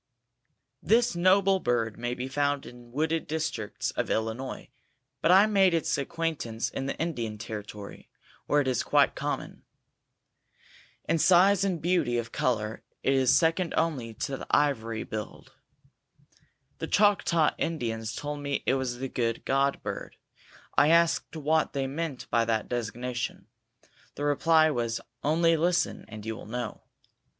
This noble bird may be found in wooded districts of Illinois, but I made its acquaintance in the Indian Territory, where it is quite common. In size and beauty of color it is second only to the ivory billed. The Choctaw Indians told me it was the "Good God" bird. I asked what they meant by that designation. The reply was "Only listen and you will know."